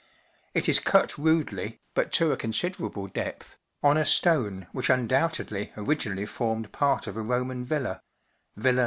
It is cut rudely, but to a considerable depth, on a stone which undoubtedly origin¬ ally formed part of a Roman villa (Villa LYMINGE.